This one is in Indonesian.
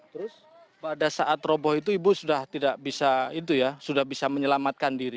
terus pada saat roboh itu ibu sudah tidak bisa itu ya sudah bisa menyelamatkan diri